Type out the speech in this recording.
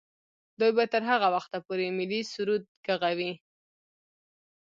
دوی به تر هغه وخته پورې ملي سرود ږغوي.